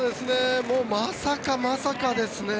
まさかまさかですね。